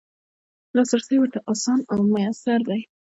لاسرسی ورته اسانه او میسر دی.